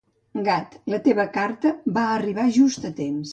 Gad, la teva carta va arribar just a temps.